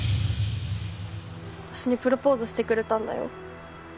私にプロポーズしてくれたんだよ。